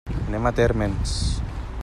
Anem a Térmens.